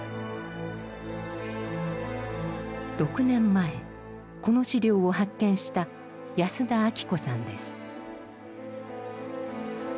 ６年前この史料を発見した安田晃子さんです。